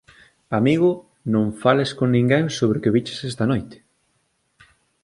Amigo, non fales con ninguén sobre o que viches esta noite.